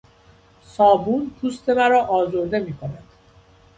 صابون پوست مرا آزرده میکند.